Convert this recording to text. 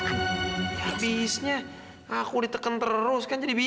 gue tetep saling ngilak royal examin terima karena ini